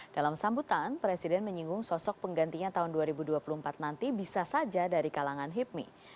dalam sambutan presiden menyinggung sosok penggantinya tahun dua ribu dua puluh empat nanti bisa saja dari kalangan hipmi